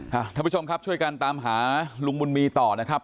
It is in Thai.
ท่านผู้ชมครับช่วยกันตามหาลุงบุญมีต่อนะครับ